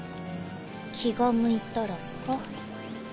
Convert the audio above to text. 気が向いたらか。